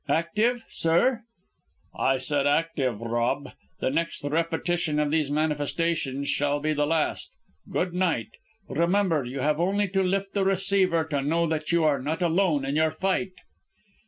"Active, sir?" "I said active, Rob. The next repetition of these manifestations shall be the last. Good night. Remember, you have only to lift the receiver to know that you are not alone in your fight."